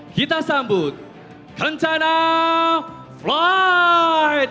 kita sambut kencana flight